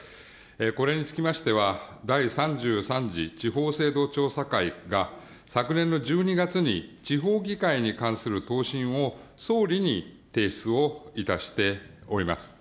これにつきましては、第３３次地方制度調査会が昨年の１２月に、地方議会に関する答申を総理に提出をいたしております。